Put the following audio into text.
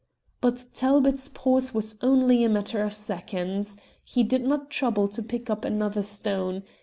But Talbot's pause was only a matter of seconds. He did not trouble to pick up another stone.